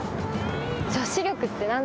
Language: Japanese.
女子力って何だよ。